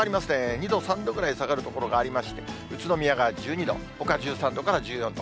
２度、３度ぐらい下がる所がありまして、宇都宮が１２度、ほか１３度から１４度。